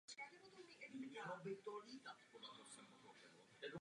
V posledních letech svého života se věnoval filmování motýlů a promítání svých filmů.